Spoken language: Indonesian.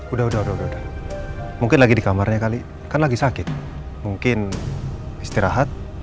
udah udah mungkin lagi di kamarnya kali kan lagi sakit mungkin istirahat